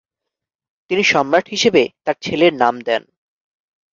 তিনি সম্রাট হিসেবে তার ছেলের নাম দেন।